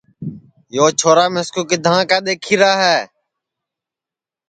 یو چھورا مِسکُو کِدھاں کا دؔیکھیرا ہے